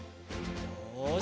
よし。